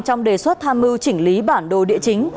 trong đề xuất tham mưu chỉnh lý bản đồ địa chính